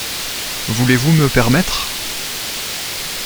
Voulez-vous me permettre ?